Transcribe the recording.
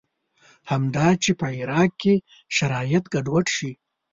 همدا چې په عراق کې شرایط ګډوډ شي.